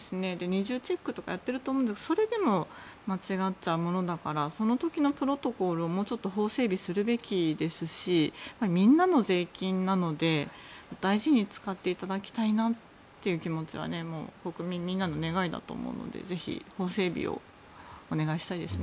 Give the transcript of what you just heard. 二重チェックとかやっていると思うのでそれでも間違っちゃうものだからその時のプロトコルをもうちょっと法整備すべきですしみんなの税金なので大事に使っていただきたいなという気持ちは国民みんなの願いだと思うのでぜひ法整備をお願いしたいです。